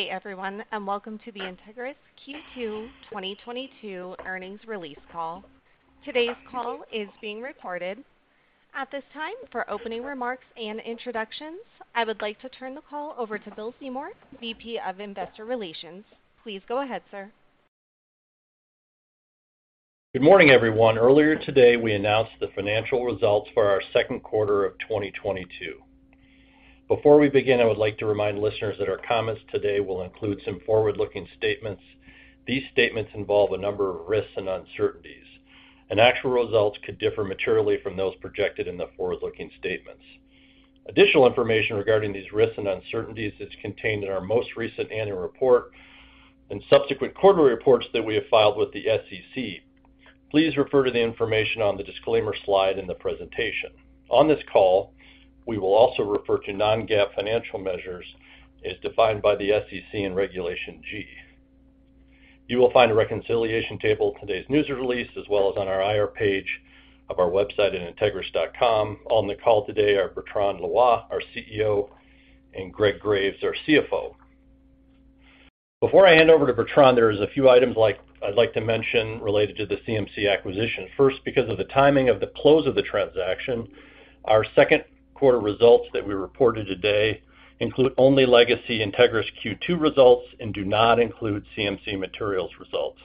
Hey everyone, and welcome to the Entegris Q2 2022 earnings release call. Today's call is being recorded. At this time, for opening remarks and introductions, I would like to turn the call over to Bill Seymour, VP of Investor Relations. Please go ahead, sir. Good morning, everyone. Earlier today, we announced the financial results for our second quarter of 2022. Before we begin, I would like to remind listeners that our comments today will include some forward-looking statements. These statements involve a number of risks and uncertainties, and actual results could differ materially from those projected in the forward-looking statements. Additional information regarding these risks and uncertainties is contained in our most recent annual report and subsequent quarterly reports that we have filed with the SEC. Please refer to the information on the disclaimer slide in the presentation. On this call, we will also refer to non-GAAP financial measures as defined by the SEC in Regulation G. You will find a reconciliation table in today's news release as well as on our IR page of our website at entegris.com. On the call today are Bertrand Loy, our CEO, and Greg Graves, our CFO. Before I hand over to Bertrand, there's a few items I'd like to mention related to the CMC acquisition. First, because of the timing of the close of the transaction, our second quarter results that we reported today include only legacy Entegris Q2 results and do not include CMC Materials results.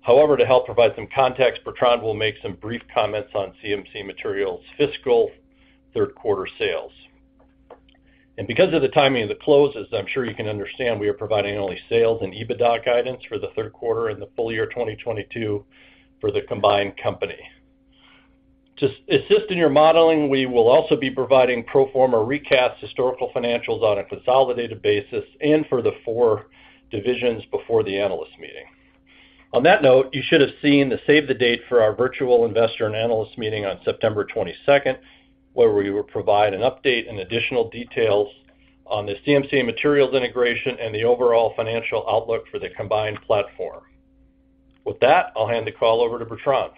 However, to help provide some context, Bertrand will make some brief comments on CMC Materials' fiscal third quarter sales. Because of the timing of the closes, I'm sure you can understand, we are providing only sales and EBITDA guidance for the third quarter and the full year 2022 for the combined company. To assist in your modeling, we will also be providing pro forma recast historical financials on a consolidated basis and for the four divisions before the analyst meeting. On that note, you should have seen the save the date for our virtual investor and analyst meeting on September twenty-second, where we will provide an update and additional details on the CMC Materials integration and the overall financial outlook for the combined platform. With that, I'll hand the call over to Bertrand.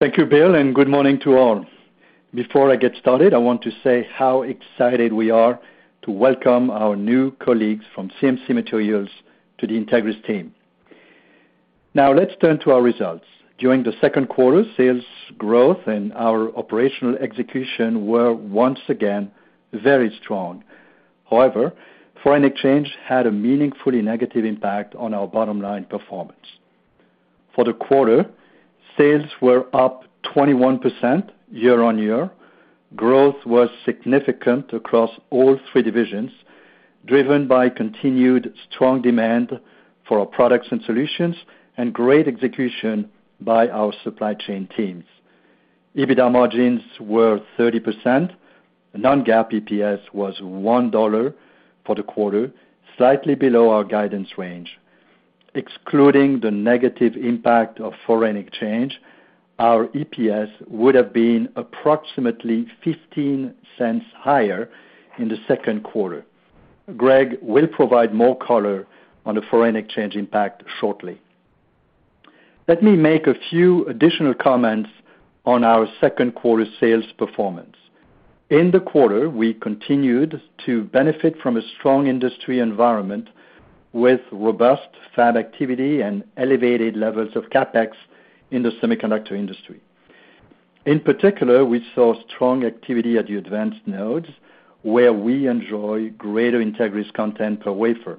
Thank you, Bill, and good morning to all. Before I get started, I want to say how excited we are to welcome our new colleagues from CMC Materials to the Entegris team. Now, let's turn to our results. During the second quarter, sales growth and our operational execution were once again very strong. However, foreign exchange had a meaningfully negative impact on our bottom line performance. For the quarter, sales were up 21% year-over-year. Growth was significant across all three divisions, driven by continued strong demand for our products and solutions and great execution by our supply chain teams. EBITDA margins were 30%. Non-GAAP EPS was $1 for the quarter, slightly below our guidance range. Excluding the negative impact of foreign exchange, our EPS would have been approximately $0.15 higher in the second quarter. Greg will provide more color on the foreign exchange impact shortly. Let me make a few additional comments on our second quarter sales performance. In the quarter, we continued to benefit from a strong industry environment with robust fab activity and elevated levels of CapEx in the semiconductor industry. In particular, we saw strong activity at the advanced nodes, where we enjoy greater Entegris content per wafer.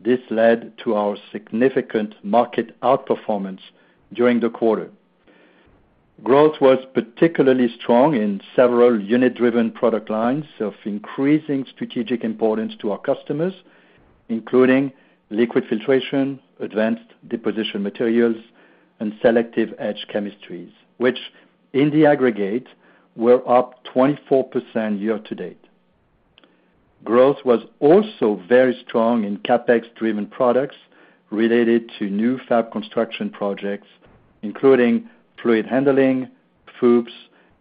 This led to our significant market outperformance during the quarter. Growth was particularly strong in several unit-driven product lines of increasing strategic importance to our customers, including Liquid Filtration, advanced deposition materials, and selective etch chemistries, which in the aggregate were up 24% year to date. Growth was also very strong in CapEx-driven products related to new fab construction projects, including Fluid Handling, FOUPs,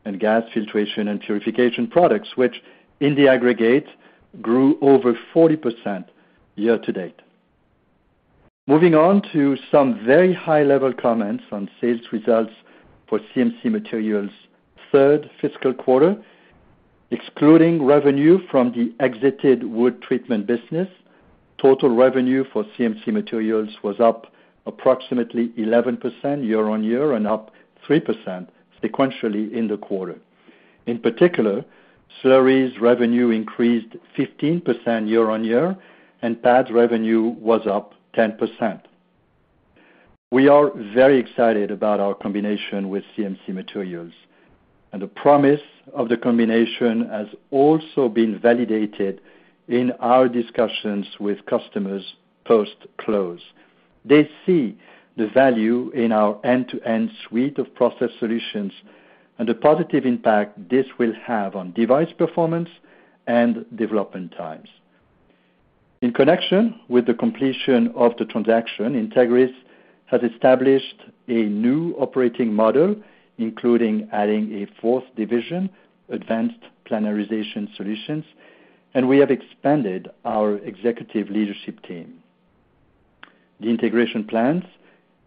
and gas filtration and purification products, which in the aggregate grew over 40% year to date. Moving on to some very high-level comments on sales results for CMC Materials' third fiscal quarter. Excluding revenue from the exited wood treatment business, total revenue for CMC Materials was up approximately 11% year-on-year and up 3% sequentially in the quarter. In particular, slurries revenue increased 15% year-on-year, and pads revenue was up 10%. We are very excited about our combination with CMC Materials, and the promise of the combination has also been validated in our discussions with customers post-close. They see the value in our end-to-end suite of process solutions and the positive impact this will have on device performance and development times. In connection with the completion of the transaction, Entegris has established a new operating model, including adding a fourth division, Advanced Planarization Solutions, and we have expanded our executive leadership team. The integration plans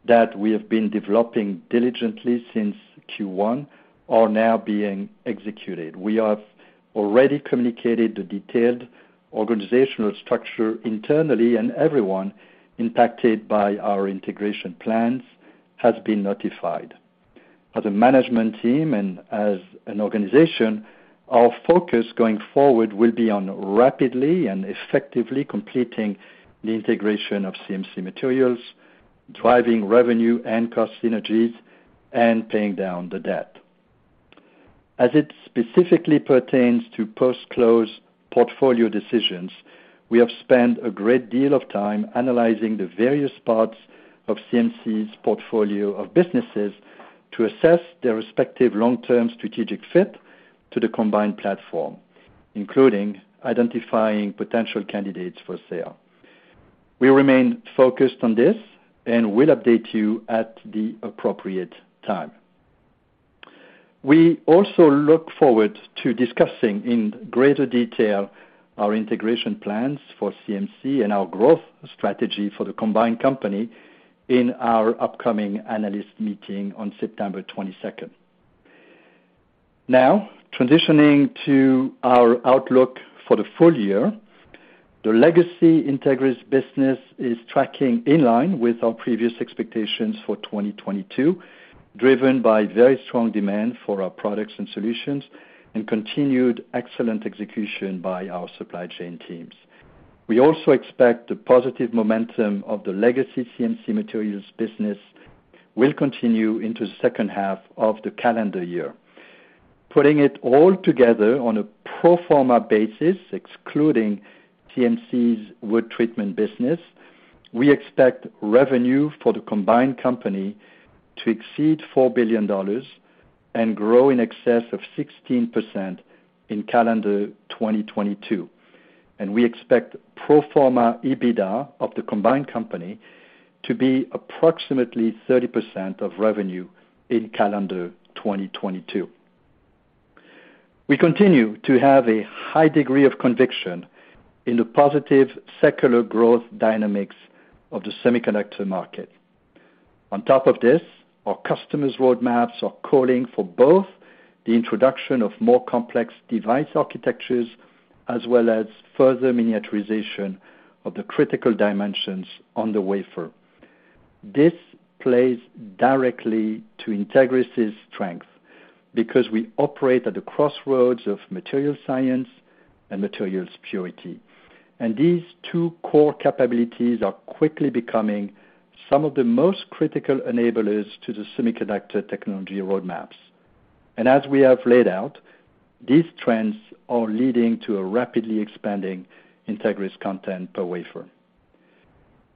that we have been developing diligently since Q1 are now being executed. We have already communicated the detailed organizational structure internally, and everyone impacted by our integration plans has been notified. As a management team and as an organization, our focus going forward will be on rapidly and effectively completing the integration of CMC Materials, driving revenue and cost synergies, and paying down the debt. As it specifically pertains to post-close portfolio decisions, we have spent a great deal of time analyzing the various parts of CMC's portfolio of businesses to assess their respective long-term strategic fit to the combined platform, including identifying potential candidates for sale. We remain focused on this and will update you at the appropriate time. We also look forward to discussing in greater detail our integration plans for CMC and our growth strategy for the combined company in our upcoming analyst meeting on September 22. Now, transitioning to our outlook for the full year. The legacy Entegris business is tracking in line with our previous expectations for 2022, driven by very strong demand for our products and solutions and continued excellent execution by our supply chain teams. We also expect the positive momentum of the legacy CMC Materials business will continue into the second half of the calendar year. Putting it all together on a pro forma basis, excluding CMC's wood treatment business, we expect revenue for the combined company to exceed $4 billion and grow in excess of 16% in calendar 2022. We expect pro forma EBITDA of the combined company to be approximately 30% of revenue in calendar 2022. We continue to have a high degree of conviction in the positive secular growth dynamics of the semiconductor market. On top of this, our customers' roadmaps are calling for both the introduction of more complex device architectures as well as further miniaturization of the critical dimensions on the wafer. This plays directly to Entegris' strength because we operate at the crossroads of material science and materials purity. These two core capabilities are quickly becoming some of the most critical enablers to the semiconductor technology roadmaps. As we have laid out, these trends are leading to a rapidly expanding Entegris content per wafer.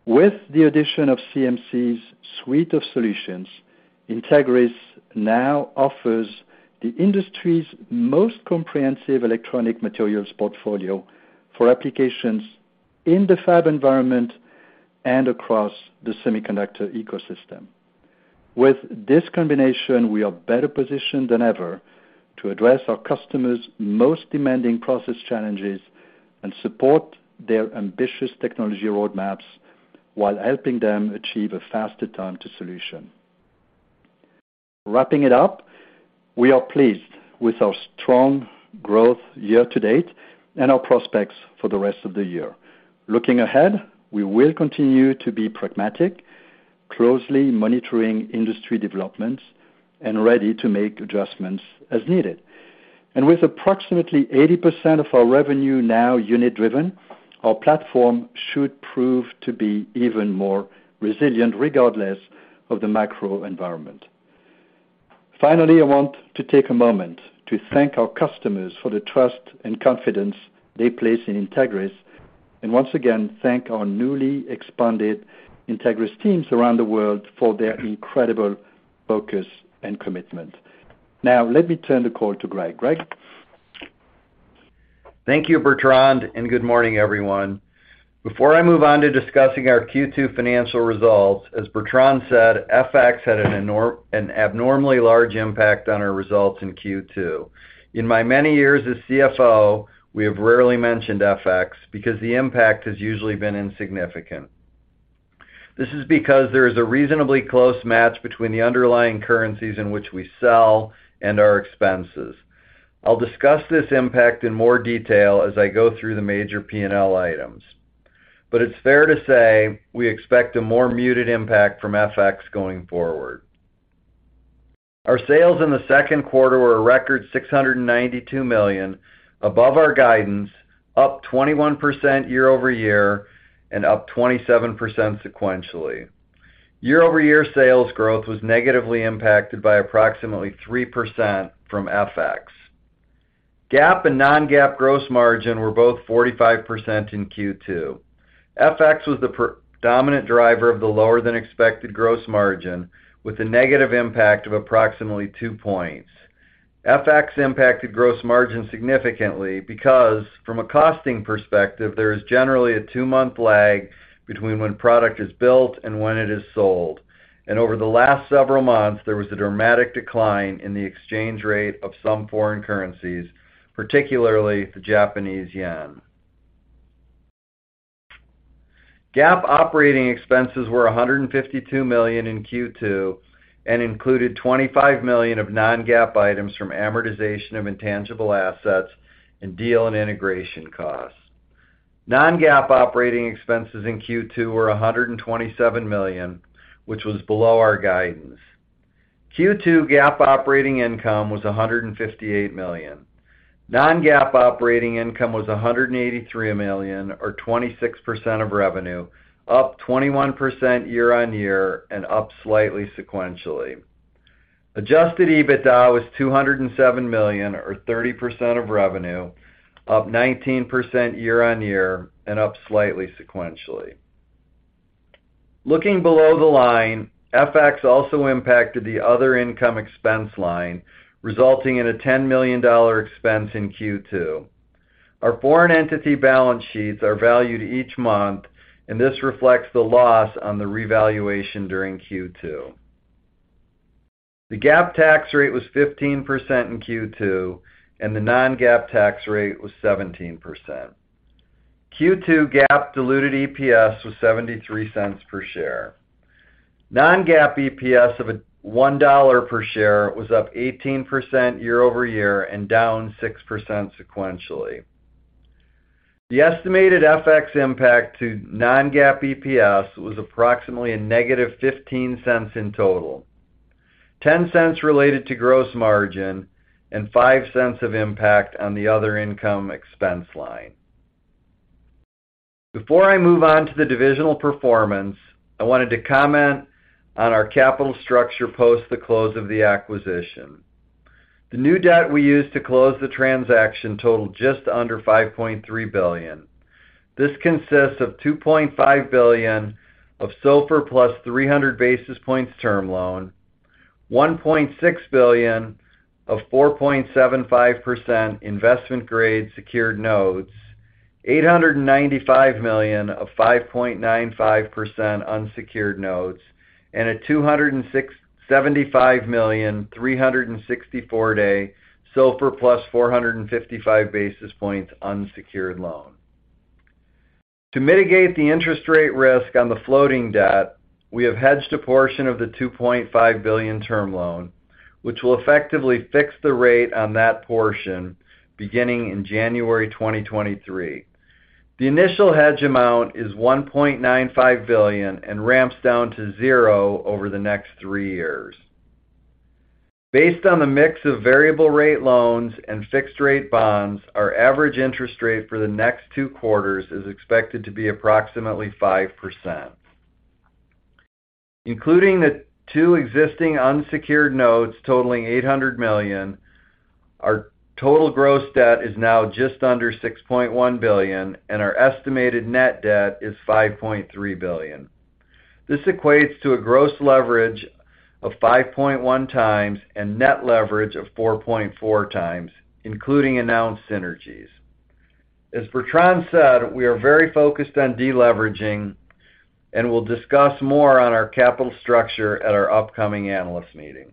With the addition of CMC's suite of solutions, Entegris now offers the industry's most comprehensive electronic materials portfolio for applications in the fab environment and across the semiconductor ecosystem. With this combination, we are better positioned than ever to address our customers' most demanding process challenges and support their ambitious technology roadmaps while helping them achieve a faster time to solution. Wrapping it up, we are pleased with our strong growth year to date and our prospects for the rest of the year. Looking ahead, we will continue to be pragmatic, closely monitoring industry developments and ready to make adjustments as needed. With approximately 80% of our revenue now unit driven, our platform should prove to be even more resilient regardless of the macro environment. Finally, I want to take a moment to thank our customers for the trust and confidence they place in Entegris. Once again, thank our newly expanded Entegris teams around the world for their incredible focus and commitment. Now, let me turn the call to Greg. Greg? Thank you, Bertrand, and good morning, everyone. Before I move on to discussing our Q2 financial results, as Bertrand said, FX had an abnormally large impact on our results in Q2. In my many years as CFO, we have rarely mentioned FX because the impact has usually been insignificant. This is because there is a reasonably close match between the underlying currencies in which we sell and our expenses. I'll discuss this impact in more detail as I go through the major P&L items. It's fair to say we expect a more muted impact from FX going forward. Our sales in the second quarter were a record $692 million, above our guidance, up 21% year-over-year and up 27% sequentially. Year-over-year sales growth was negatively impacted by approximately 3% from FX. GAAP and non-GAAP gross margin were both 45% in Q2. FX was the dominant driver of the lower than expected gross margin with a negative impact of approximately 2 points. FX impacted gross margin significantly because from a costing perspective, there is generally a 2-month lag between when product is built and when it is sold. Over the last several months, there was a dramatic decline in the exchange rate of some foreign currencies, particularly the Japanese yen. GAAP operating expenses were $152 million in Q2 and included $25 million of non-GAAP items from amortization of intangible assets and deal and integration costs. Non-GAAP operating expenses in Q2 were $127 million, which was below our guidance. Q2 GAAP operating income was $158 million. Non-GAAP operating income was $183 million, or 26% of revenue, up 21% year-on-year and up slightly sequentially. Adjusted EBITDA was $207 million, or 30% of revenue, up 19% year-over-year and up slightly sequentially. Looking below the line, FX also impacted the other income expense line, resulting in a $10 million expense in Q2. Our foreign entity balance sheets are valued each month, and this reflects the loss on the revaluation during Q2. The GAAP tax rate was 15% in Q2, and the non-GAAP tax rate was 17%. Q2 GAAP diluted EPS was $0.73 per share. Non-GAAP EPS of $1 per share was up 18% year-over-year and down 6% sequentially. The estimated FX impact to non-GAAP EPS was approximately a negative $0.15 in total, $0.10 related to gross margin, and $0.05 of impact on the other income expense line. Before I move on to the divisional performance, I wanted to comment on our capital structure post the close of the acquisition. The new debt we used to close the transaction totaled just under $5.3 billion. This consists of $2.5 billion of SOFR plus 300 basis points term loan, $1.6 billion of 4.75% investment grade secured notes, $895 million of 5.95% unsecured notes, and a $275 million 364-day SOFR plus 455 basis points unsecured loan. To mitigate the interest rate risk on the floating debt, we have hedged a portion of the $2.5 billion term loan, which will effectively fix the rate on that portion beginning in January 2023. The initial hedge amount is $1.95 billion and ramps down to zero over the next three years. Based on the mix of variable rate loans and fixed rate bonds, our average interest rate for the next two quarters is expected to be approximately 5%. Including the two existing unsecured notes totaling $800 million, our total gross debt is now just under $6.1 billion, and our estimated net debt is $5.3 billion. This equates to a gross leverage of 5.1x and net leverage of 4.4x, including announced synergies. As Bertrand said, we are very focused on deleveraging, and we'll discuss more on our capital structure at our upcoming analyst meeting.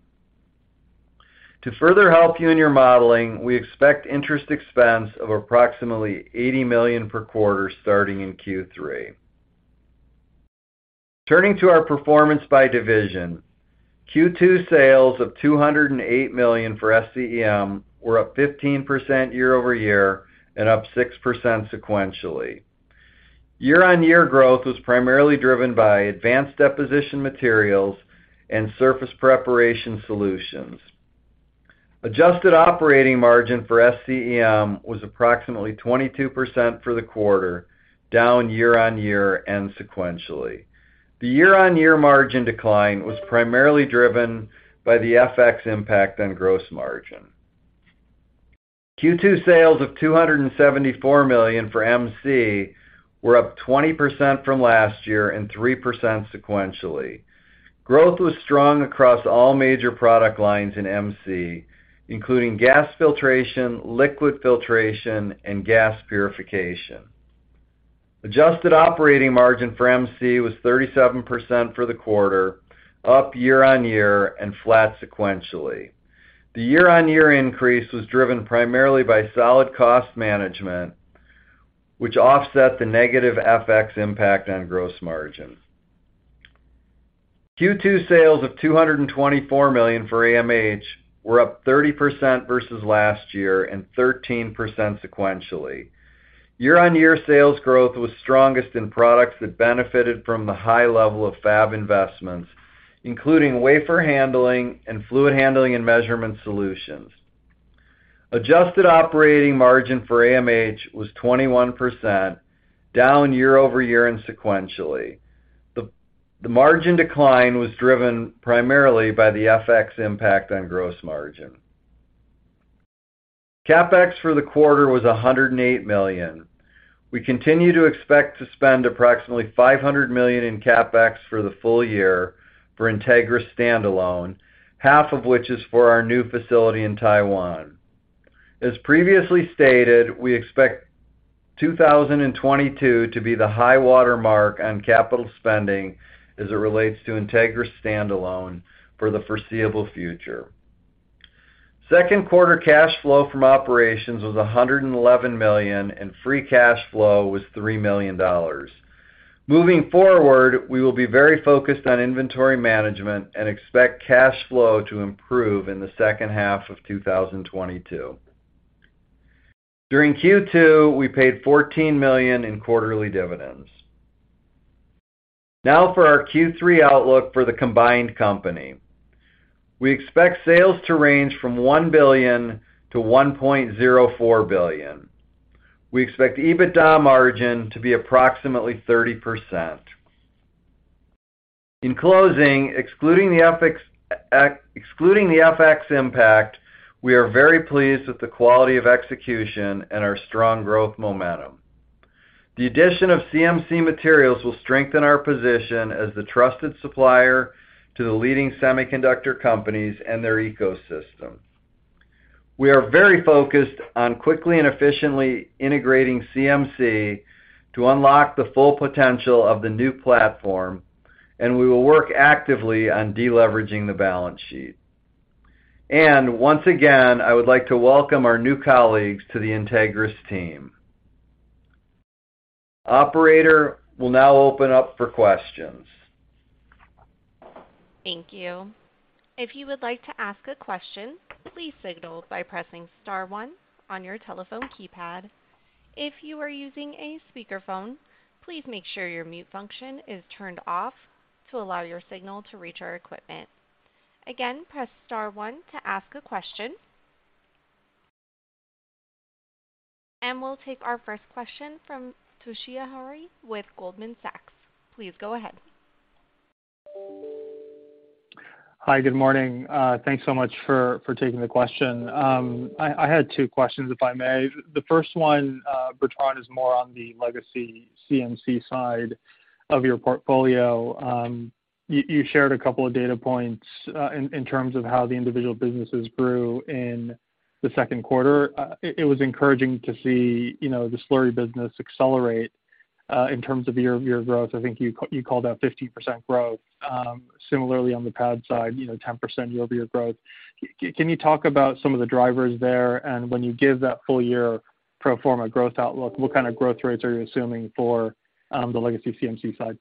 To further help you in your modeling, we expect interest expense of approximately $80 million per quarter starting in Q3. Turning to our performance by division, Q2 sales of $208 million for SCEM were up 15% year-over-year and up 6% sequentially. Year-over-year growth was primarily driven by advanced deposition materials and surface preparation solutions. Adjusted operating margin for SCEM was approximately 22% for the quarter, down year-over-year and sequentially. The year-over-year margin decline was primarily driven by the FX impact on gross margin. Q2 sales of $274 million for MC were up 20% from last year and 3% sequentially. Growth was strong across all major product lines in MC, including Gas Filtration, Liquid Filtration, and Gas Purification. Adjusted operating margin for MC was 37% for the quarter, up year-on-year and flat sequentially. The year-on-year increase was driven primarily by solid cost management, which offset the negative FX impact on gross margin. Q2 sales of $224 million for AMH were up 30% versus last year and 13% sequentially. Year-on-year sales growth was strongest in products that benefited from the high level of fab investments, including Wafer Handling and Fluid Handling and measurement solutions. Adjusted operating margin for AMH was 21%, down year-over-year and sequentially. The margin decline was driven primarily by the FX impact on gross margin. CapEx for the quarter was $108 million. We continue to expect to spend approximately $500 million in CapEx for the full year for Entegris standalone, half of which is for our new facility in Taiwan. As previously stated, we expect 2022 to be the high water mark on capital spending as it relates to Entegris standalone for the foreseeable future. Second quarter cash flow from operations was $111 million, and free cash flow was $3 million. Moving forward, we will be very focused on inventory management and expect cash flow to improve in the second half of 2022. During Q2, we paid $14 million in quarterly dividends. Now for our Q3 outlook for the combined company. We expect sales to range from $1 billion-$1.04 billion. We expect EBITDA margin to be approximately 30%. In closing, excluding the FX impact, we are very pleased with the quality of execution and our strong growth momentum. The addition of CMC Materials will strengthen our position as the trusted supplier to the leading semiconductor companies and their ecosystem. We are very focused on quickly and efficiently integrating CMC to unlock the full potential of the new platform, and we will work actively on deleveraging the balance sheet. Once again, I would like to welcome our new colleagues to the Entegris team. Operator, we'll now open up for questions. Thank you. If you would like to ask a question, please signal by pressing star one on your telephone keypad. If you are using a speakerphone, please make sure your mute function is turned off to allow your signal to reach our equipment. Again, press star one to ask a question. We'll take our first question from Toshiya Hari with Goldman Sachs. Please go ahead. Hi, good morning. Thanks so much for taking the question. I had two questions, if I may. The first one, Bertrand, is more on the legacy CMC side of your portfolio. You shared a couple of data points in terms of how the individual businesses grew in the second quarter. It was encouraging to see, you know, the slurry business accelerate in terms of year-over-year growth. I think you called out 15% growth. Similarly on the pad side, you know, 10% year-over-year growth. Can you talk about some of the drivers there? When you give that full year pro forma growth outlook, what kind of growth rates are you assuming for the legacy CMC side?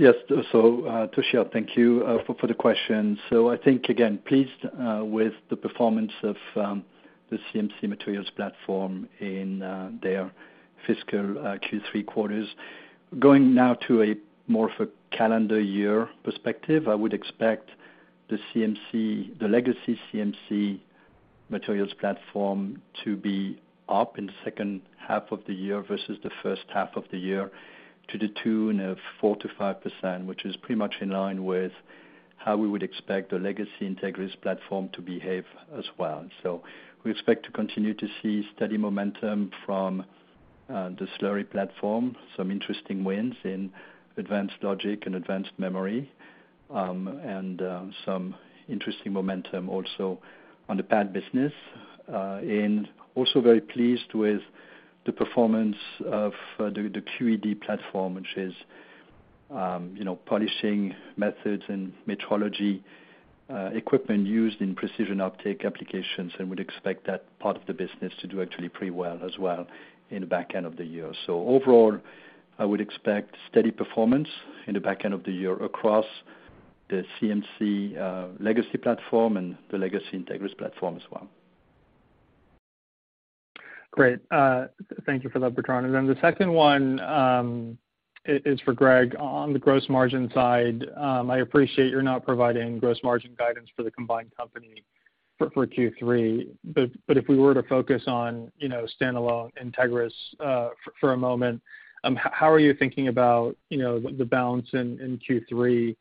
Yes. Toshiya, thank you for the question. I think, again, pleased with the performance of the CMC Materials platform in their fiscal Q3 quarters. Going now to more of a calendar year perspective, I would expect the CMC, the legacy CMC Materials platform to be up in the second half of the year versus the first half of the year, to the tune of 4%-5%, which is pretty much in line with how we would expect the legacy Entegris platform to behave as well. We expect to continue to see steady momentum from the slurry platform, some interesting wins in advanced logic and advanced memory, and some interesting momentum also on the pad business. Very pleased with the performance of the QED platform, which is, you know, polishing methods and metrology equipment used in precision optics applications, and would expect that part of the business to do actually pretty well as well in the back end of the year. Overall, I would expect steady performance in the back end of the year across the CMC legacy platform and the legacy Entegris platform as well. Great. Thank you for that, Bertrand. The second one is for Greg. On the gross margin side, I appreciate you're not providing gross margin guidance for the combined company for Q3, but if we were to focus on, you know, standalone Entegris, for a moment, how are you thinking about, you know, the balance in Q3?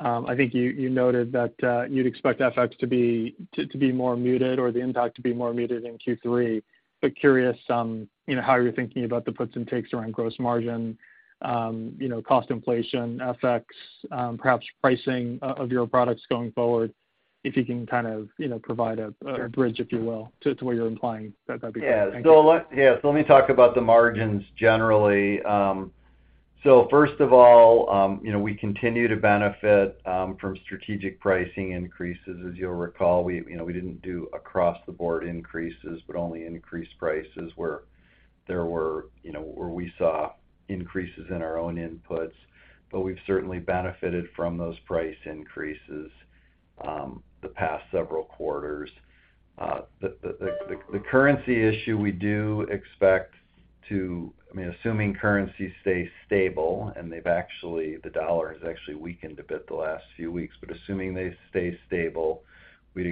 I think you noted that, you'd expect FX to be more muted or the impact to be more muted in Q3, but curious, you know, how you're thinking about the puts and takes around gross margin, you know, cost inflation, FX, perhaps pricing of your products going forward. If you can kind of, you know, provide a bridge, if you will, to what you're implying, that'd be great. Thank you. Let me talk about the margins generally. First of all, you know, we continue to benefit from strategic pricing increases. As you'll recall, you know, we didn't do across-the-board increases, but only increased prices where there were, you know, where we saw increases in our own inputs. We've certainly benefited from those price increases the past several quarters. The currency issue we do expect. I mean, assuming currencies stay stable, and the dollar has actually weakened a bit the last few weeks. Assuming they stay stable, we'd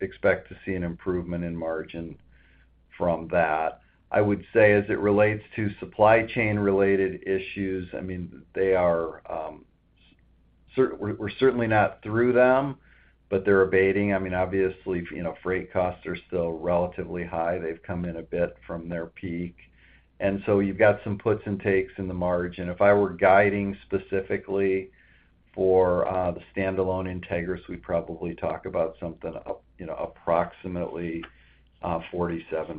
expect to see an improvement in margin from that. I would say as it relates to supply chain-related issues. I mean, they are. We're certainly not through them, but they're abating. I mean, obviously, you know, freight costs are still relatively high. They've come in a bit from their peak. You've got some puts and takes in the margin. If I were guiding specifically for the standalone Entegris, we'd probably talk about something up, you know, approximately 47%.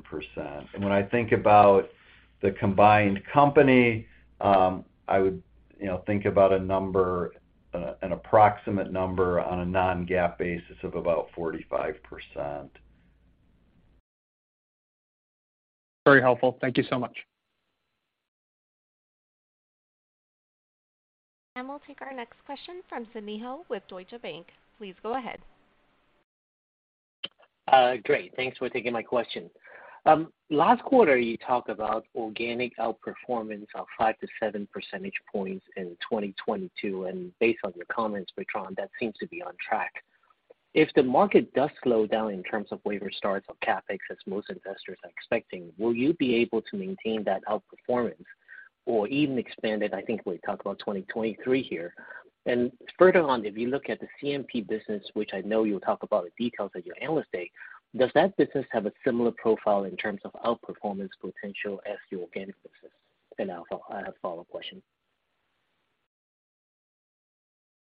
When I think about the combined company, I would- You know, think about a number, an approximate number on a non-GAAP basis of about 45%. Very helpful. Thank you so much. We'll take our next question from Sidney Ho with Deutsche Bank. Please go ahead. Great. Thanks for taking my question. Last quarter, you talked about organic outperformance of 5-7 percentage points in 2022, and based on your comments, Bertrand, that seems to be on track. If the market does slow down in terms of wafer starts or CapEx, as most investors are expecting, will you be able to maintain that outperformance or even expand it? I think we talked about 2023 here. Further on, if you look at the CMP business, which I know you'll talk about the details at your Analyst Day, does that business have a similar profile in terms of outperformance potential as your organic business? I'll follow up. I have a follow-up question.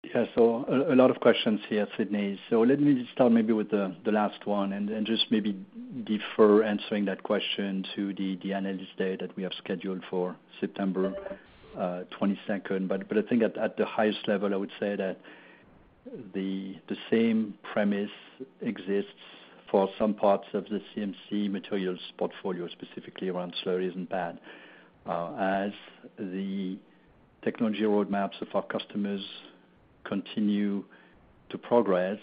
Yeah. A lot of questions here, Sidney. Let me just start maybe with the last one and just maybe defer answering that question to the Analyst Day that we have scheduled for September 22. I think at the highest level, I would say that the same premise exists for some parts of the CMC Materials portfolio, specifically around slurries and pad. As the technology roadmaps of our customers continue to progress,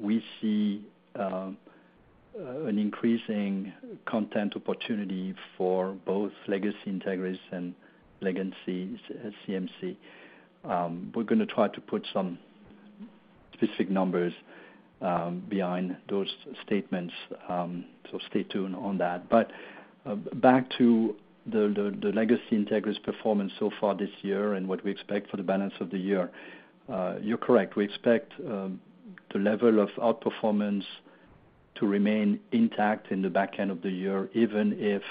we see an increasing content opportunity for both legacy Entegris and legacy CMC. We're gonna try to put some specific numbers behind those statements, so stay tuned on that. Back to the legacy Entegris performance so far this year and what we expect for the balance of the year. You're correct. We expect the level of outperformance to remain intact in the back end of the year, even if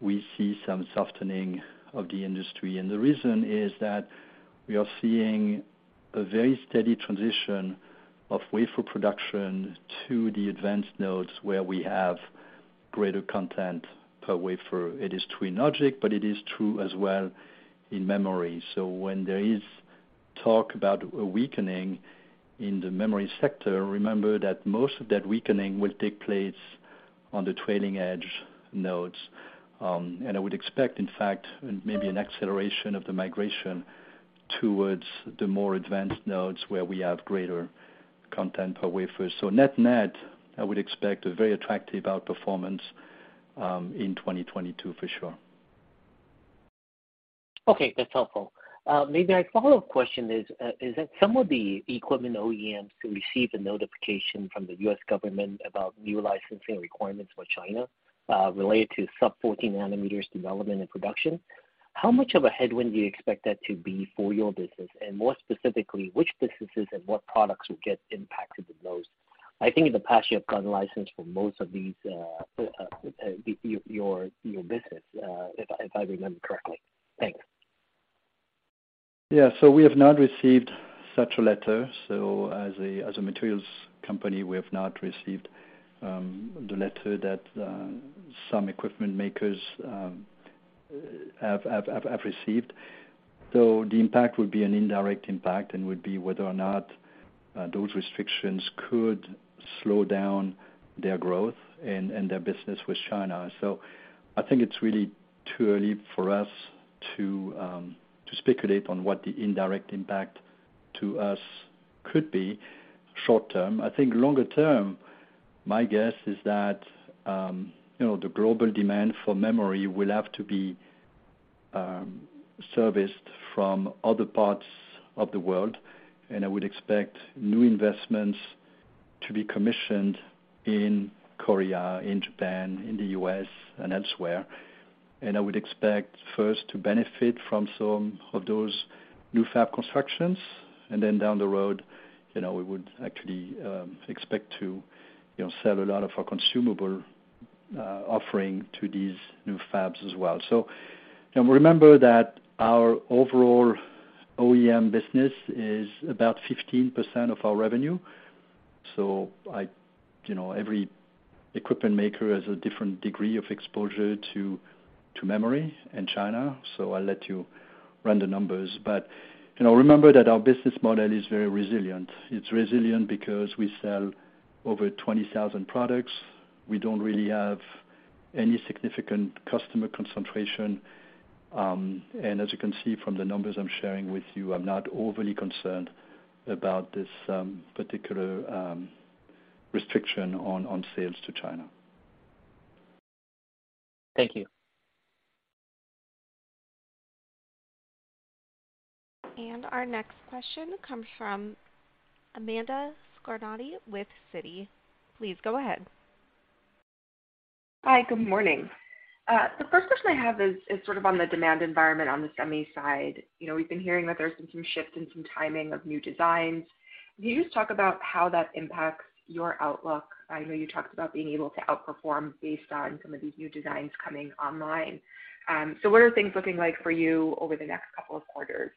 we see some softening of the industry. The reason is that we are seeing a very steady transition of wafer production to the advanced nodes where we have greater content per wafer. It is true in logic, but it is true as well in memory. When there is talk about a weakening in the memory sector, remember that most of that weakening will take place on the trailing edge nodes. I would expect, in fact, maybe an acceleration of the migration towards the more advanced nodes where we have greater content per wafer. Net-net, I would expect a very attractive outperformance in 2022 for sure. Okay. That's helpful. Maybe my follow-up question is that some of the equipment OEMs who received a notification from the U.S. government about new licensing requirements for China, related to sub-14 nanometers development and production, how much of a headwind do you expect that to be for your business? More specifically, which businesses and what products will get impacted the most? I think in the past you have gotten license for most of these, your business, if I remember correctly. Thanks. Yeah. We have not received such a letter. As a materials company, we have not received the letter that some equipment makers have received. The impact would be an indirect impact and would be whether or not those restrictions could slow down their growth and their business with China. I think it's really too early for us to speculate on what the indirect impact to us could be short term. I think longer term, my guess is that you know, the global demand for memory will have to be serviced from other parts of the world, and I would expect new investments to be commissioned in Korea, in Japan, in the US, and elsewhere. I would expect first to benefit from some of those new fab constructions, and then down the road, you know, we would actually expect to, you know, sell a lot of our consumable offering to these new fabs as well. You know, remember that our overall OEM business is about 15% of our revenue. You know, every equipment maker has a different degree of exposure to memory in China, so I'll let you run the numbers. You know, remember that our business model is very resilient. It's resilient because we sell over 20,000 products. We don't really have any significant customer concentration. As you can see from the numbers I'm sharing with you, I'm not overly concerned about this particular restriction on sales to China. Thank you. Our next question comes from Amanda Scarnati with Citi. Please go ahead. Hi. Good morning. The first question I have is sort of on the demand environment on the semi side. You know, we've been hearing that there's been some shift in some timing of new designs. Can you just talk about how that impacts your outlook? I know you talked about being able to outperform based on some of these new designs coming online. So what are things looking like for you over the next couple of quarters?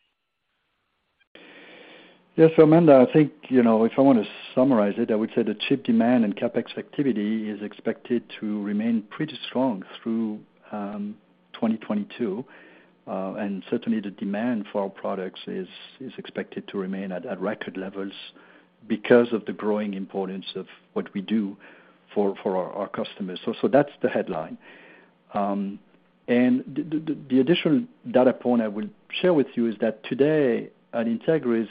Yes. Amanda, I think, you know, if I want to summarize it, I would say the chip demand and CapEx activity is expected to remain pretty strong through 2022. Certainly the demand for our products is expected to remain at record levels because of the growing importance of what we do for our customers. That's the headline. The additional data point I will share with you is that today at Entegris,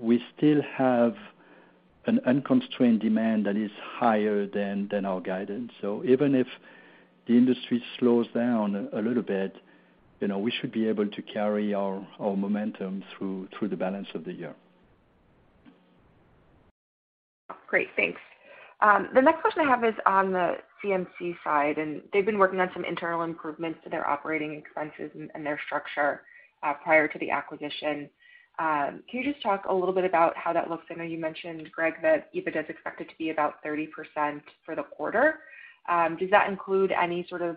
we still have an unconstrained demand that is higher than our guidance. Even if the industry slows down a little bit, you know, we should be able to carry our momentum through the balance of the year. Great. Thanks. The next question I have is on the CMC side, and they've been working on some internal improvements to their operating expenses and their structure prior to the acquisition. Can you just talk a little bit about how that looks? I know you mentioned, Greg, that EBITDA is expected to be about 30% for the quarter. Does that include any sort of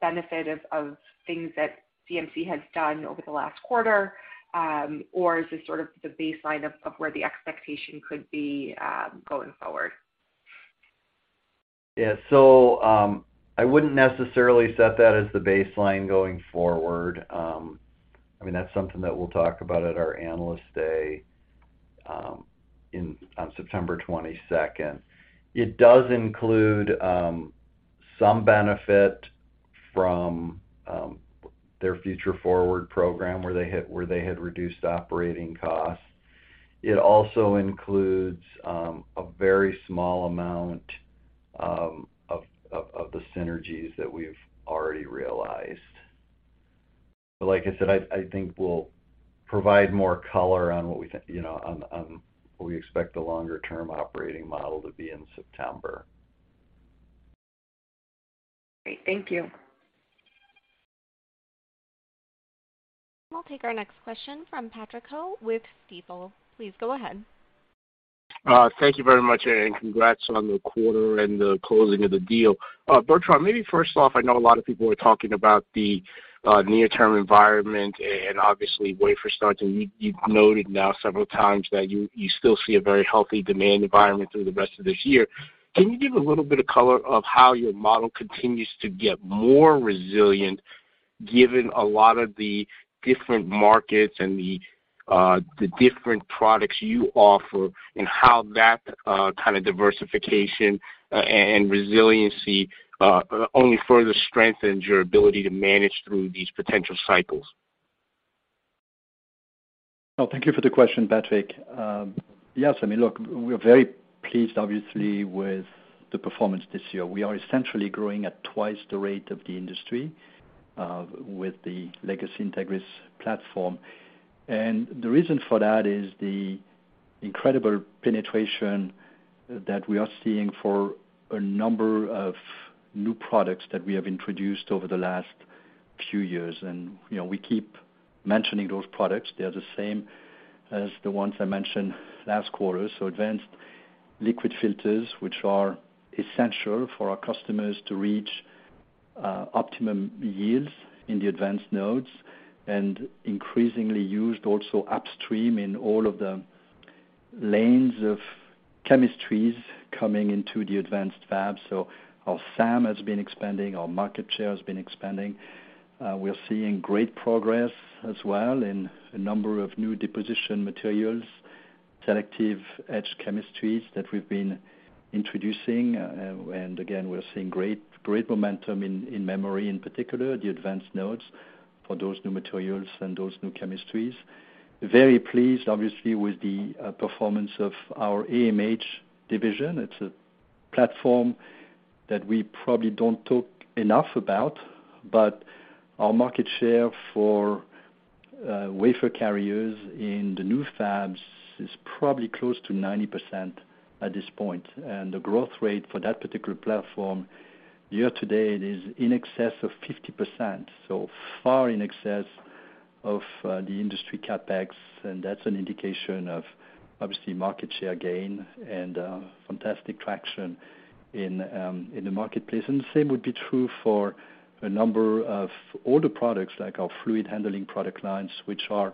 benefit of things that CMC has done over the last quarter? Or is this sort of the baseline of where the expectation could be going forward? Yeah. I wouldn't necessarily set that as the baseline going forward. I mean, that's something that we'll talk about at our Analyst Day on September 22. It does include some benefit from their Future Forward program where they had reduced operating costs. It also includes a very small amount of the synergies that we've already realized. Like I said, I think we'll provide more color on what we, you know, on what we expect the longer term operating model to be in September. Great. Thank you. We'll take our next question from Patrick Ho with Stifel. Please go ahead. Thank you very much, and congrats on the quarter and the closing of the deal. Bertrand, maybe first off, I know a lot of people are talking about the near-term environment and obviously wafer starts. You've noted now several times that you still see a very healthy demand environment through the rest of this year. Can you give a little bit of color of how your model continues to get more resilient given a lot of the different markets and the different products you offer, and how that kind of diversification and resiliency only further strengthens your ability to manage through these potential cycles? Well, thank you for the question, Patrick. Yes, I mean, look, we're very pleased obviously, with the performance this year. We are essentially growing at twice the rate of the industry, with the legacy Entegris platform. The reason for that is the incredible penetration that we are seeing for a number of new products that we have introduced over the last few years. You know, we keep mentioning those products. They are the same as the ones I mentioned last quarter. Advanced liquid filters, which are essential for our customers to reach optimum yields in the advanced nodes, and increasingly used also upstream in all of the lines of chemistries coming into the advanced fabs. Our SAM has been expanding, our market share has been expanding. We're seeing great progress as well in a number of new deposition materials, selective etch chemistries that we've been introducing. And again, we're seeing great momentum in memory, in particular, the advanced nodes for those new materials and those new chemistries. Very pleased, obviously, with the performance of our AMH division. It's a platform that we probably don't talk enough about, but our market share for wafer carriers in the new fabs is probably close to 90% at this point. The growth rate for that particular platform year to date is in excess of 50%, so far in excess of the industry CapEx. That's an indication of obviously market share gain and fantastic traction in the marketplace. The same would be true for a number of older products like our Fluid Handling product lines, which are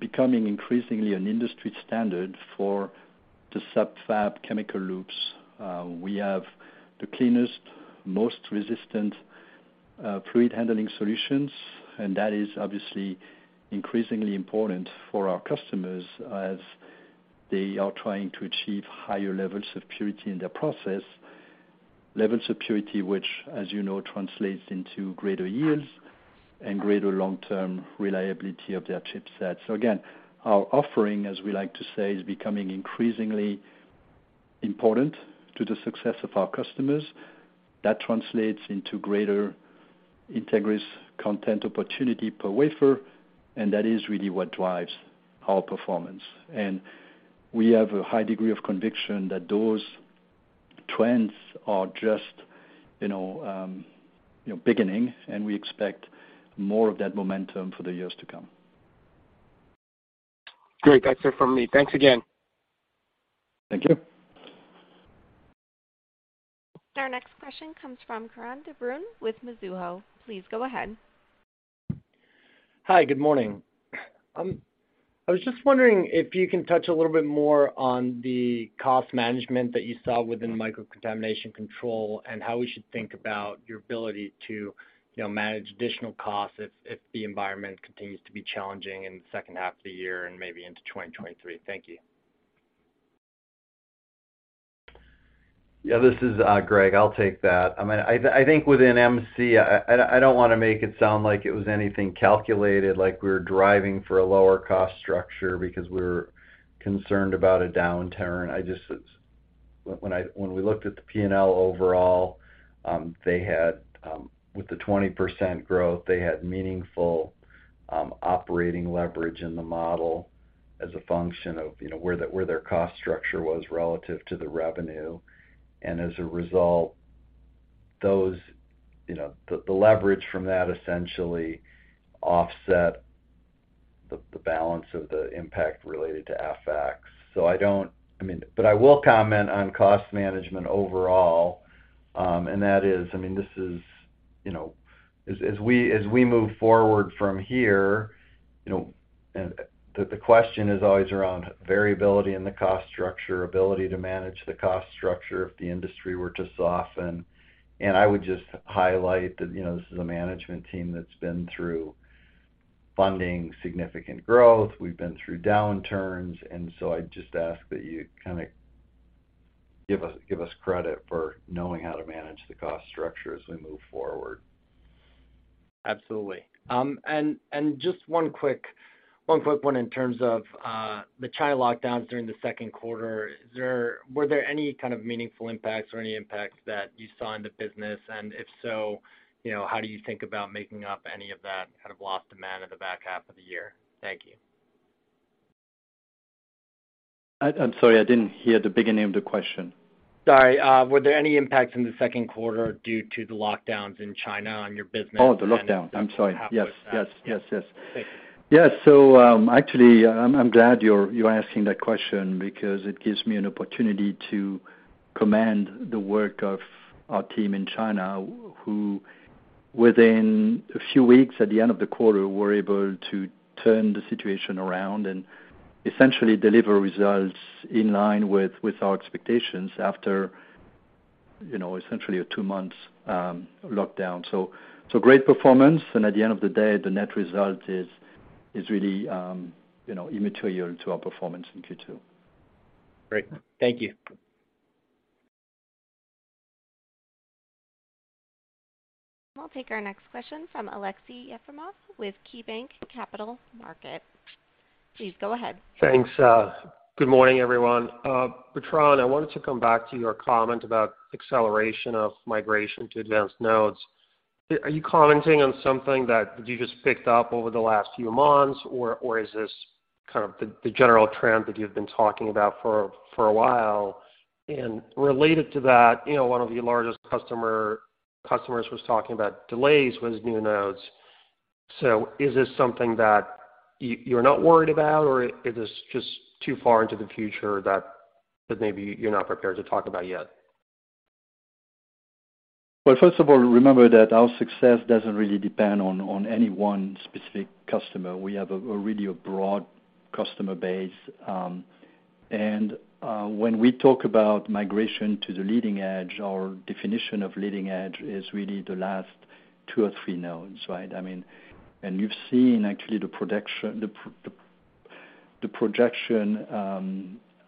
becoming increasingly an industry standard for the sub-fab chemical loops. We have the cleanest, most resistant Fluid Handling solutions, and that is obviously increasingly important for our customers as they are trying to achieve higher levels of purity in their process, levels of purity which, as you know, translates into greater yields and greater long-term reliability of their chipsets. Again, our offering, as we like to say, is becoming increasingly important to the success of our customers. That translates into greater Entegris content opportunity per wafer, and that is really what drives our performance. We have a high degree of conviction that those trends are just, you know, beginning, and we expect more of that momentum for the years to come. Great. That's it from me. Thanks again. Thank you. Question comes from Krish Sankar with Mizuho. Please go ahead. Hi, good morning. I was just wondering if you can touch a little bit more on the cost management that you saw within Microcontamination Control and how we should think about your ability to, you know, manage additional costs if the environment continues to be challenging in the second half of the year and maybe into 2023. Thank you. Yeah, this is Greg. I'll take that. I mean, I think within MC, I don't wanna make it sound like it was anything calculated, like we were driving for a lower cost structure because we were concerned about a downturn. When we looked at the P&L overall, they had, with the 20% growth, they had meaningful operating leverage in the model as a function of, you know, where their cost structure was relative to the revenue. As a result, those, you know, the leverage from that essentially offset the balance of the impact related to FX. I don't. I mean, but I will comment on cost management overall, and that is, I mean, this is, you know, as we move forward from here, you know, the question is always around variability in the cost structure, ability to manage the cost structure if the industry were to soften. I would just highlight that, you know, this is a management team that's been through funding significant growth. We've been through downturns, and so I just ask that you kinda give us credit for knowing how to manage the cost structure as we move forward. Absolutely. Just one quick one in terms of the China lockdowns during the second quarter. Were there any kind of meaningful impacts or any impacts that you saw in the business? If so, you know, how do you think about making up any of that kind of lost demand in the back half of the year? Thank you. I'm sorry, I didn't hear the beginning of the question. Sorry, were there any impacts in the second quarter due to the lockdowns in China on your business? Oh, the lockdown. I'm sorry. Yes. Yes. Yes. Yes. Thanks. Actually, I'm glad you're asking that question because it gives me an opportunity to commend the work of our team in China, who within a few weeks at the end of the quarter, were able to turn the situation around and essentially deliver results in line with our expectations after you know essentially a two-month lockdown. Great performance. At the end of the day, the net result is really you know immaterial to our performance in Q2. Great. Thank you. I'll take our next question from Aleksey Yefremov, with KeyBanc Capital Markets. Please go ahead. Thanks. Good morning, everyone. Bertrand, I wanted to come back to your comment about acceleration of migration to advanced nodes. Are you commenting on something that you just picked up over the last few months, or is this kind of the general trend that you've been talking about for a while? Related to that, you know, one of your largest customers was talking about delays with new nodes. Is this something that you're not worried about, or is this just too far into the future that maybe you're not prepared to talk about yet? Well, first of all, remember that our success doesn't really depend on any one specific customer. We have a really broad customer base. When we talk about migration to the leading edge, our definition of leading edge is really the last 2 or 3 nodes, right? I mean, you've seen actually the projection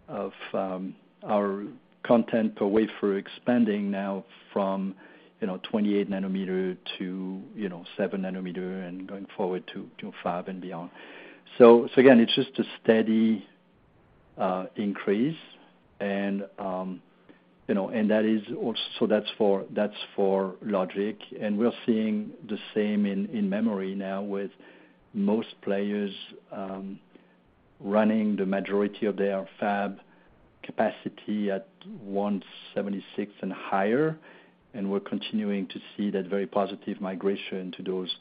of our content per wafer expanding now from, you know, 28 nanometer to, you know, 7 nanometer and going forward to 5 and beyond. So again, it's just a steady increase. And that is also for logic. We're seeing the same in memory now with most players running the majority of their fab capacity at 176 and higher. We're continuing to see that very positive migration to those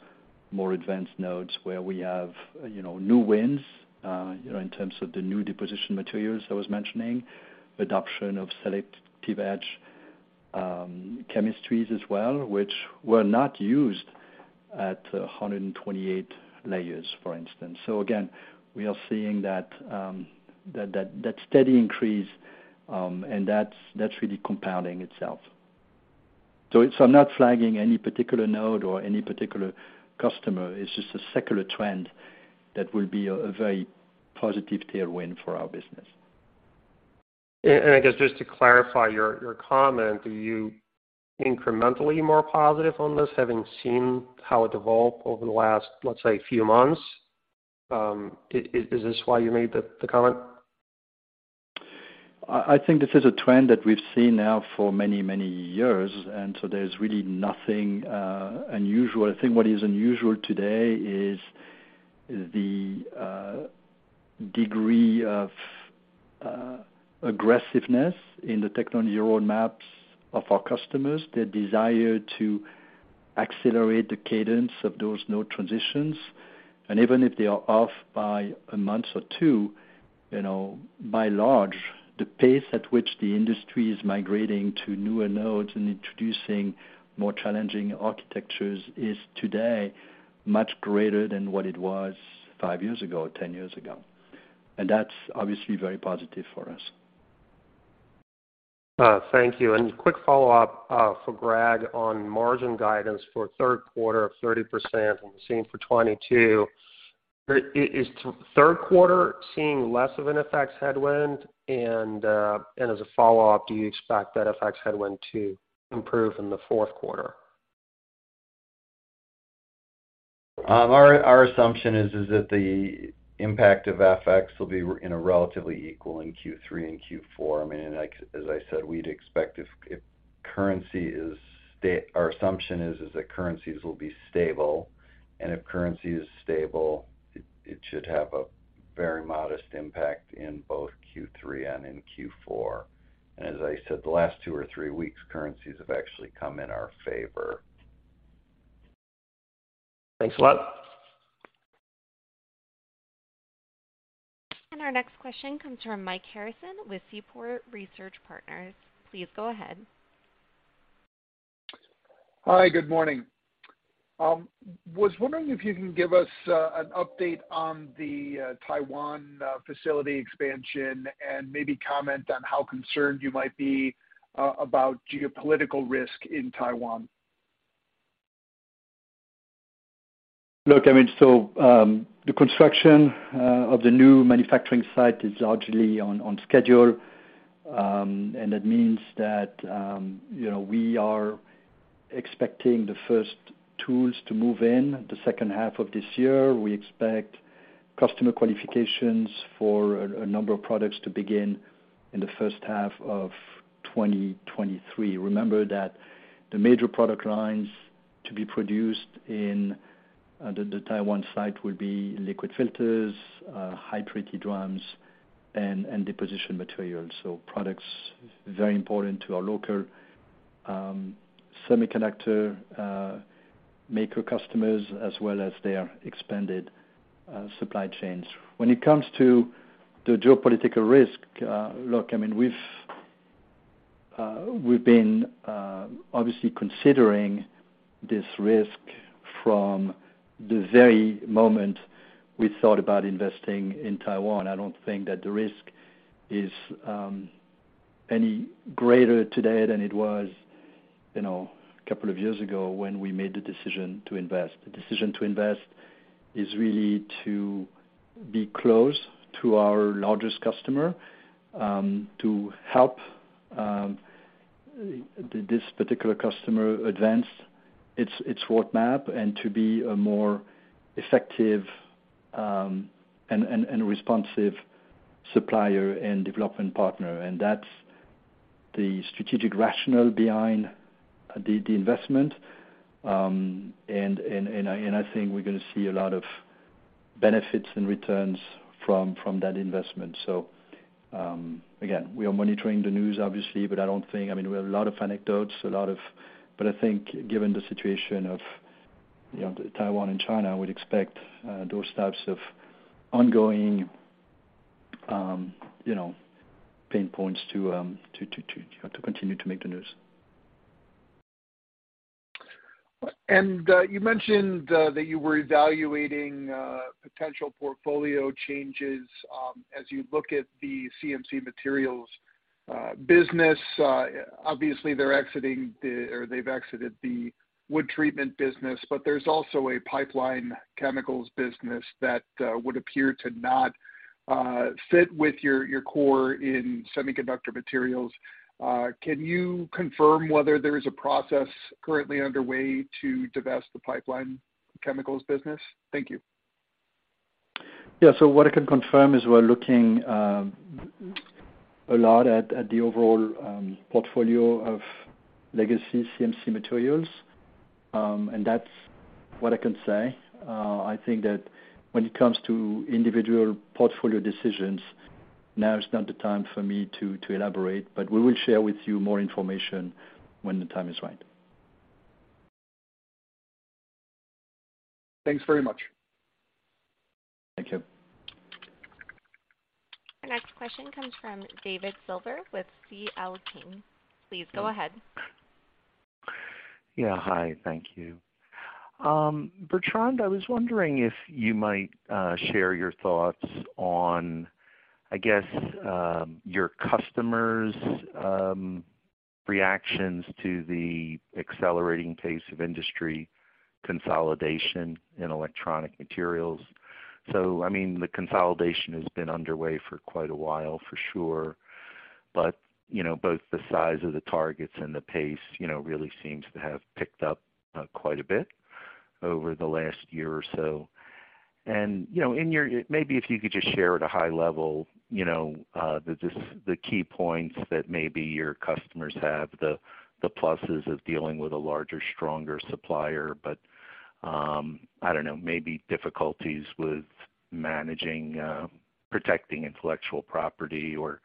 more advanced nodes where we have, you know, new wins, you know, in terms of the new deposition materials I was mentioning, adoption of selective etch chemistries as well, which were not used at 128 layers, for instance. We are seeing that steady increase, and that's really compounding itself. I'm not flagging any particular node or any particular customer. It's just a secular trend that will be a very positive tailwind for our business. I guess just to clarify your comment, are you incrementally more positive on this, having seen how it evolved over the last, let's say, few months? Is this why you made the comment? I think this is a trend that we've seen now for many years, and so there's really nothing unusual. I think what is unusual today is the degree of aggressiveness in the technology roadmaps of our customers, their desire to accelerate the cadence of those node transitions. Even if they are off by a month or 2, you know, by and large, the pace at which the industry is migrating to newer nodes and introducing more challenging architectures is today much greater than what it was 5 years ago or 10 years ago. That's obviously very positive for us. Thank you. Quick follow-up for Greg on margin guidance for third quarter of 30% and the same for 2022. Is third quarter seeing less of an FX headwind? As a follow-up, do you expect that FX headwind to improve in the fourth quarter? Our assumption is that the impact of FX will be, you know, relatively equal in Q3 and Q4. I mean, like, as I said, we'd expect if currency is stable. Our assumption is that currencies will be stable. If currency is stable, it should have a very modest impact in both Q3 and in Q4. As I said, the last two or three weeks, currencies have actually come in our favor. Thanks a lot. Our next question comes from Mike Harrison with Seaport Research Partners. Please go ahead. Hi, good morning. Was wondering if you can give us an update on the Taiwan facility expansion and maybe comment on how concerned you might be about geopolitical risk in Taiwan. Look, I mean, the construction of the new manufacturing site is largely on schedule. That means that, you know, we are expecting the first tools to move in the second half of this year. We expect customer qualifications for a number of products to begin in the first half of 2023. Remember that the major product lines to be produced in the Taiwan site will be Liquid Filters, High-Purity Drums and deposition materials. Products very important to our local semiconductor maker customers as well as their expanded supply chains. When it comes to the geopolitical risk, look, I mean, we've been obviously considering this risk from the very moment we thought about investing in Taiwan. I don't think that the risk is any greater today than it was, you know, a couple of years ago when we made the decision to invest. The decision to invest is really to be close to our largest customer, to help this particular customer advance its roadmap and to be a more effective and responsive supplier and development partner. That's the strategic rationale behind the investment. I think we're gonna see a lot of benefits and returns from that investment. Again, we are monitoring the news obviously, but I don't think. I mean, we have a lot of anecdotes. I think given the situation of, you know, Taiwan and China, we'd expect those types of ongoing, you know, pain points to continue to make the news. You mentioned that you were evaluating potential portfolio changes, as you look at the CMC Materials business. Obviously they've exited the wood treatment business, but there's also a pipeline chemicals business that would appear to not fit with your core in semiconductor materials. Can you confirm whether there is a process currently underway to divest the pipeline chemicals business? Thank you. Yeah. What I can confirm is we're looking a lot at the overall portfolio of legacy CMC Materials, and that's what I can say. I think that when it comes to individual portfolio decisions, now is not the time for me to elaborate, but we will share with you more information when the time is right. Thanks very much. Thank you. Our next question comes from David Silver with C.L. King. Please go ahead. Yeah. Hi. Thank you. Bertrand, I was wondering if you might share your thoughts on, I guess, your customers' reactions to the accelerating pace of industry consolidation in electronic materials. I mean, the consolidation has been underway for quite a while, for sure. You know, both the size of the targets and the pace, you know, really seems to have picked up quite a bit over the last year or so. Maybe if you could just share at a high level, you know, the key points that maybe your customers have, the pluses of dealing with a larger, stronger supplier. I don't know, maybe difficulties with managing, protecting intellectual property or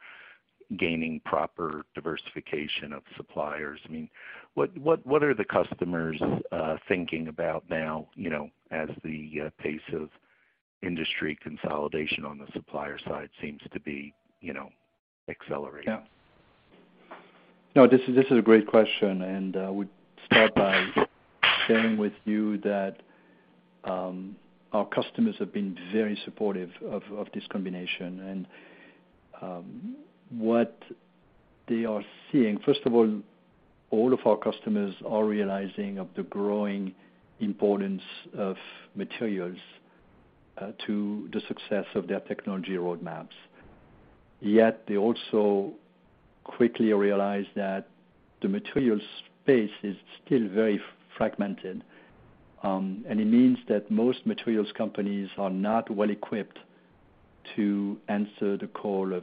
gaining proper diversification of suppliers. I mean, what are the customers thinking about now, you know, as the pace of industry consolidation on the supplier side seems to be, you know, accelerating? Yeah. No, this is a great question, and I would start by sharing with you that our customers have been very supportive of this combination. What they are seeing, first of all of our customers are realizing of the growing importance of materials to the success of their technology roadmaps. Yet they also quickly realize that the materials space is still very fragmented, and it means that most materials companies are not well equipped to answer the call of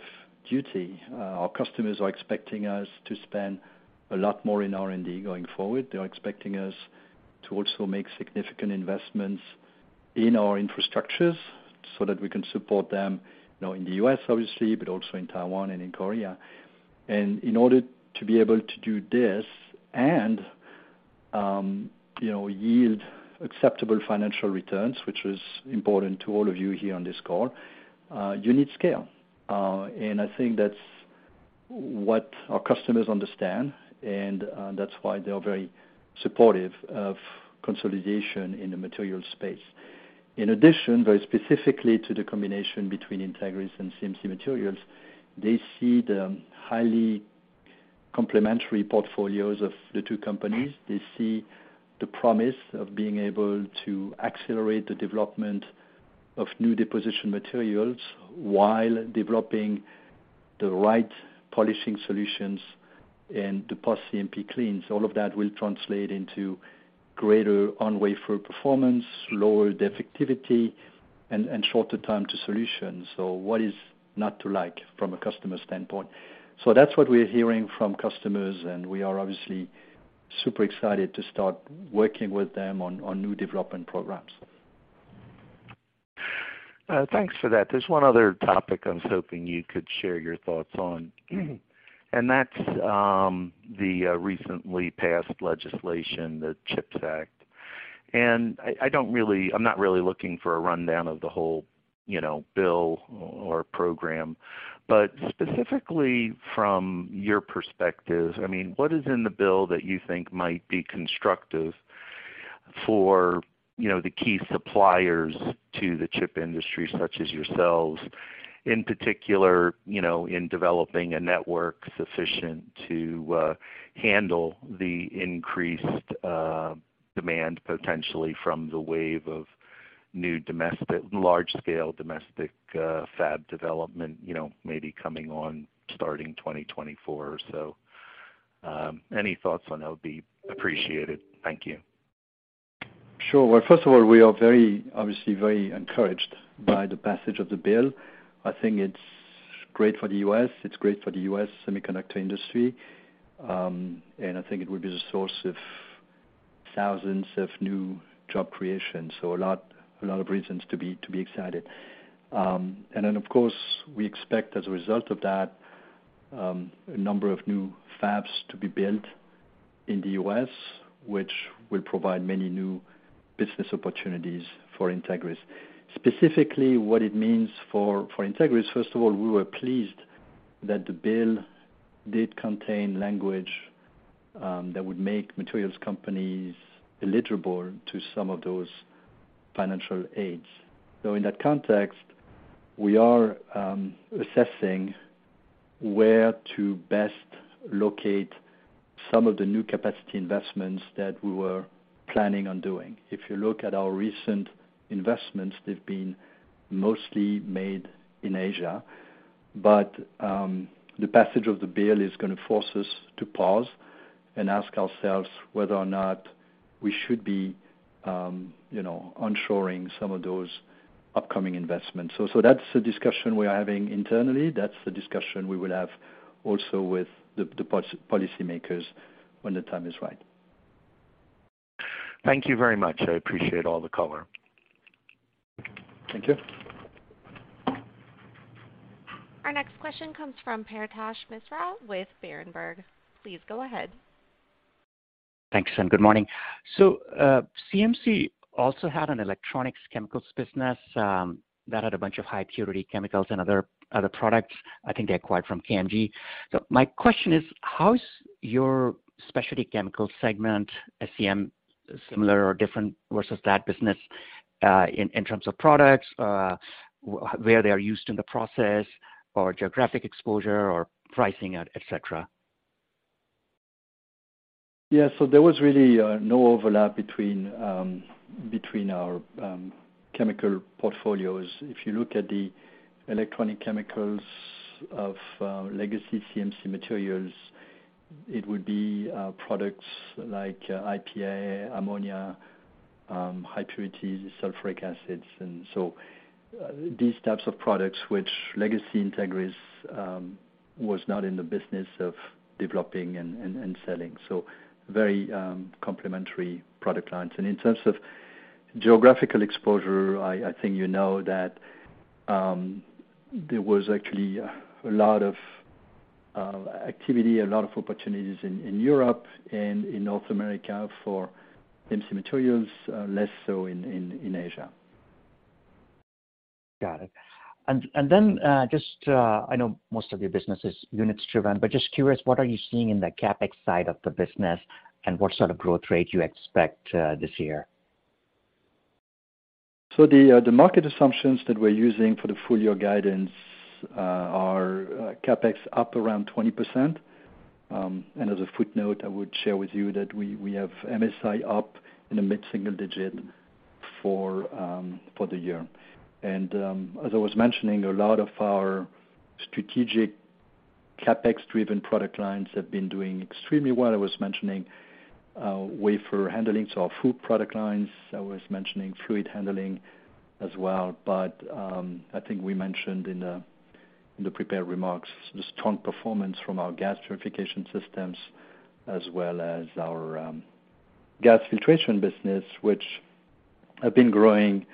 duty. Our customers are expecting us to spend a lot more in R&D going forward. They're expecting us to also make significant investments in our infrastructures so that we can support them, you know, in the U.S. obviously, but also in Taiwan and in Korea. In order to be able to do this and, you know, yield acceptable financial returns, which is important to all of you here on this call, you need scale. I think that's what our customers understand, and that's why they are very supportive of consolidation in the materials space. In addition, very specifically to the combination between Entegris and CMC Materials, they see the highly complementary portfolios of the two companies. They see the promise of being able to accelerate the development of new deposition materials while developing the right polishing solutions and deposit CMP cleans. All of that will translate into greater on wafer performance, lower defectivity and shorter time to solution. What is not to like from a customer standpoint? That's what we're hearing from customers, and we are obviously super excited to start working with them on new development programs. Thanks for that. There's one other topic I was hoping you could share your thoughts on. That's the recently passed legislation, the CHIPS Act. I don't really—I'm not really looking for a rundown of the whole, you know, bill or program. Specifically from your perspective, I mean, what is in the bill that you think might be constructive for, you know, the key suppliers to the chip industry such as yourselves, in particular, you know, in developing a network sufficient to handle the increased demand potentially from the wave of new large scale domestic fab development, you know, maybe coming on starting 2024 or so. Any thoughts on that would be appreciated. Thank you. Sure. Well, first of all, we are very, obviously very encouraged by the passage of the bill. I think it's great for the U.S., it's great for the U.S. semiconductor industry, and I think it will be the source of thousands of new job creation. A lot of reasons to be excited. Of course, we expect as a result of that, a number of new fabs to be built in the U.S., which will provide many new business opportunities for Entegris. Specifically, what it means for Entegris, first of all, we were pleased that the bill did contain language that would make materials companies eligible to some of those financial aids. In that context, we are assessing where to best locate some of the new capacity investments that we were planning on doing. If you look at our recent investments, they've been mostly made in Asia. The passage of the bill is gonna force us to pause and ask ourselves whether or not we should be, you know, onshoring some of those upcoming investments. That's a discussion we are having internally. That's the discussion we will have also with the policymakers when the time is right. Thank you very much. I appreciate all the color. Thank you. Our next question comes from Paretosh Misra with Berenberg. Please go ahead. Thanks, and good morning. CMC also had an electronics chemicals business that had a bunch of high purity chemicals and other products. I think they acquired from KMG. My question is, how is your specialty chemical segment, SCM, similar or different versus that business, in terms of products, where they are used in the process or geographic exposure or pricing, et cetera? Yeah. So there was really no overlap between our chemical portfolios. If you look at the electronic chemicals of legacy CMC Materials, it would be products like IPA, ammonia, high purity sulfuric acids. These types of products, which legacy Entegris was not in the business of developing and selling. Very complementary product lines. In terms of geographical exposure, I think you know that there was actually a lot of activity, a lot of opportunities in Europe and in North America for CMC Materials, less so in Asia. Got it. I know most of your business is units driven, but just curious, what are you seeing in the CapEx side of the business, and what sort of growth rate you expect this year? The market assumptions that we're using for the full year guidance are CapEx up around 20%. As a footnote, I would share with you that we have MSI up in the mid-single digit for the year. As I was mentioning, a lot of our strategic CapEx-driven product lines have been doing extremely well. I was mentioning Wafer Handling, so our FOUP product lines. I was mentioning Fluid Handling as well. I think we mentioned in the prepared remarks the strong performance from our Gas Purification systems as well as our Gas Filtration business, which have been growing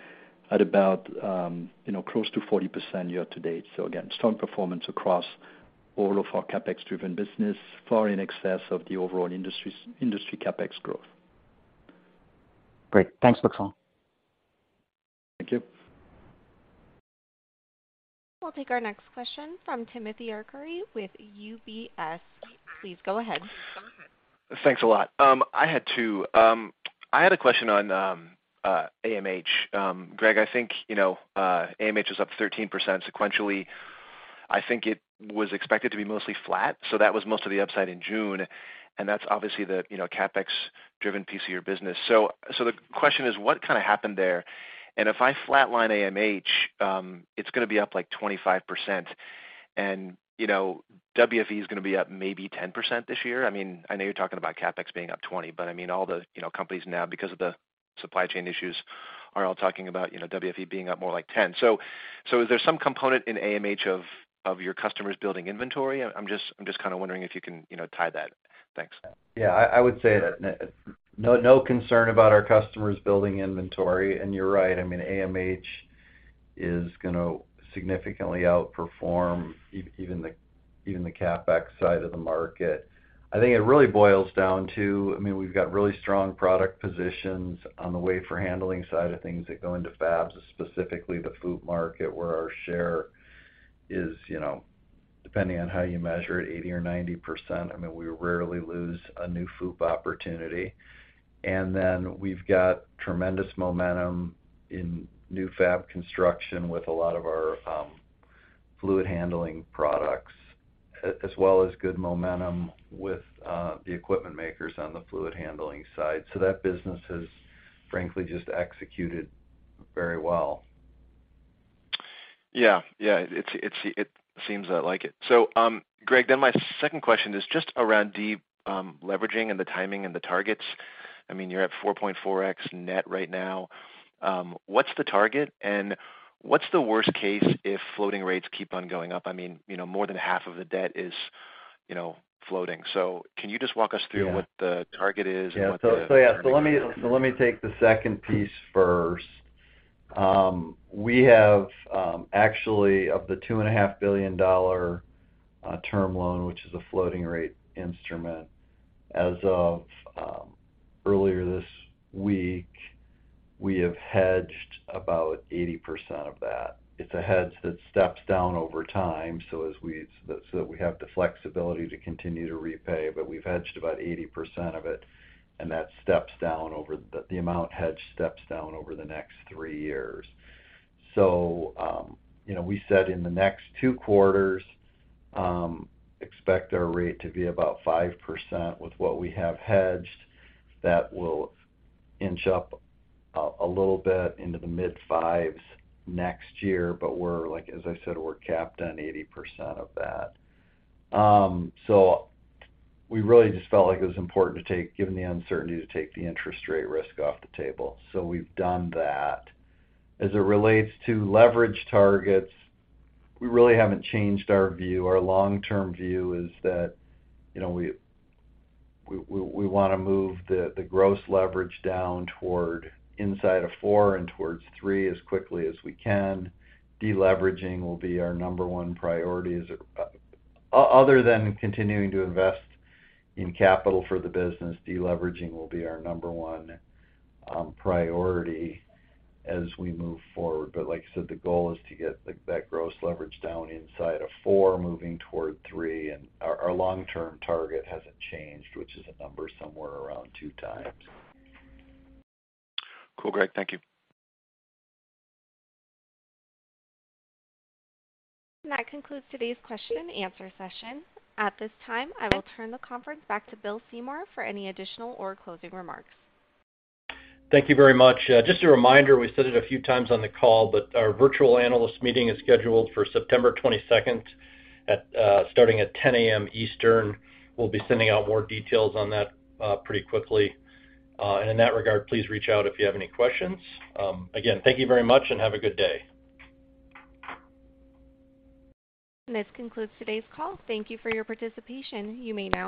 at about you know close to 40% year-to-date. Again, strong performance across all of our CapEx-driven business, far in excess of the overall industry CapEx growth. Great. Thanks, Maxon. Thank you. We'll take our next question from Timothy Arcuri with UBS. Please go ahead. Thanks a lot. I had a question on AMH. Greg, I think, you know, AMH is up 13% sequentially. I think it was expected to be mostly flat, so that was most of the upside in June, and that's obviously the, you know, CapEx-driven PC or business. So the question is, what kind of happened there? And if I flatline AMH, it's gonna be up, like, 25%. And, you know, WFE is gonna be up maybe 10% this year. I mean, I know you're talking about CapEx being up 20, but I mean, all the, you know, companies now because of the supply chain issues are all talking about, you know, WFE being up more like 10. So is there some component in AMH of your customers building inventory? I'm just kinda wondering if you can, you know, tie that. Thanks. Yeah, I would say that no concern about our customers building inventory. You're right, I mean, AMH is gonna significantly outperform even the CapEx side of the market. I think it really boils down to, I mean, we've got really strong product positions on the Wafer Handling side of things that go into fabs, specifically the FOUP market where our share is, you know, depending on how you measure it, 80% or 90%. I mean, we rarely lose a new FOUP opportunity. We've got tremendous momentum in new fab construction with a lot of our Fluid Handling products, as well as good momentum with the equipment makers on the Fluid Handling side. That business has frankly just executed very well. Yeah. It seems I like it. Greg, my second question is just around leveraging and the timing and the targets. I mean, you're at 4.4x net right now. What's the target and what's the worst case if floating rates keep on going up? I mean, you know, more than half of the debt is, you know, floating. Can you just walk us through- Yeah. what the target is and what the Yeah. Let me take the second piece first. We have actually of the $2.5 billion term loan, which is a floating rate instrument, as of earlier this week, we have hedged about 80% of that. It's a hedge that steps down over time, so that we have the flexibility to continue to repay, but we've hedged about 80% of it, and that steps down over the amount hedged steps down over the next three years. You know, we said in the next two quarters, expect our rate to be about 5% with what we have hedged. That will inch up a little bit into the mid 5s next year. But we're like, as I said, we're capped on 80% of that. We really just felt like it was important to take, given the uncertainty, to take the interest rate risk off the table. We've done that. As it relates to leverage targets, we really haven't changed our view. Our long-term view is that, you know, we wanna move the gross leverage down toward inside of 4 and towards 3 as quickly as we can. Deleveraging will be our number one priority. Other than continuing to invest in capital for the business, deleveraging will be our number one priority as we move forward. Like I said, the goal is to get that gross leverage down inside of 4, moving toward 3. Our long-term target hasn't changed, which is a number somewhere around 2x. Cool, Greg. Thank you. That concludes today's question and answer session. At this time, I will turn the conference back to Bill Seymour for any additional or closing remarks. Thank you very much. Just a reminder, we said it a few times on the call, but our virtual analyst meeting is scheduled for September 22nd, starting at 10:00 A.M. Eastern. We'll be sending out more details on that, pretty quickly. In that regard, please reach out if you have any questions. Again, thank you very much and have a good day. This concludes today's call. Thank you for your participation. You may now disconnect.